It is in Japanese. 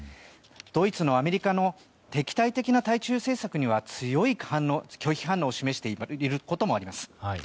ドイツもアメリカの敵対的な対中政策には強い拒否反応を示していることもあります。